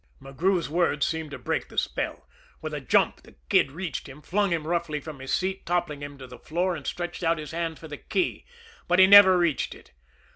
McGrew's words seemed to break the spell. With a jump the Kid reached him, flung him roughly from his seat, toppling him to the floor, and stretched out his hand for the key but he never reached it.